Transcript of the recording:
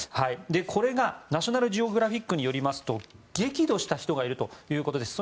これがナショナルジオグラフィックによりますと激怒した人がいるということです。